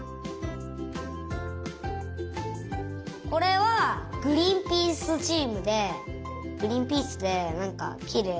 これはグリンピースチームでグリンピースでなんかきれいで。